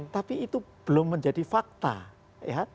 tapi itu belum menjadi fakta ya